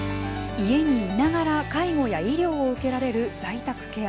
家にいながら介護や医療を受けられる在宅ケア。